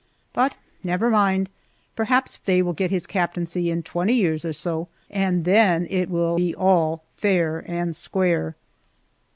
But never mind, perhaps Faye will get his captaincy in twenty years or so, and then it will be all "fair and square."